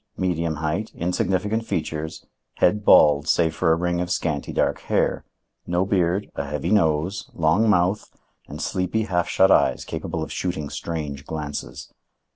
Medium height, insignificant features, head bald save for a ring of scanty dark hair. No beard, a heavy nose, long mouth and sleepy half shut eyes capable of shooting strange glances.